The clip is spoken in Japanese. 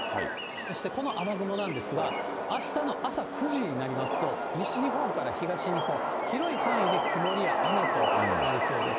そしてこの雨雲なんですが、あしたの朝９時になりますと、西日本から東日本、広い範囲で曇りや雨となりそうです。